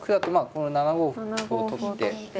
この７五歩を取って。